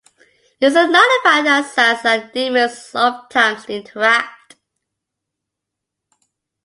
Is it not a fact that saints and demons ofttimes interact?